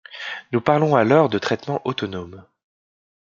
Nous parlons alors de traitement autonome.